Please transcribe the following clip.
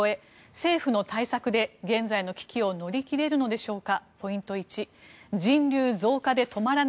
政府の対策で、現在の危機を乗り切れるのでしょうか。